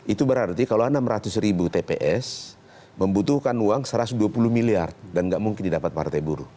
itu berarti kalau enam ratus ribu tps membutuhkan uang satu ratus dua puluh miliar dan nggak mungkin didapat partai buruh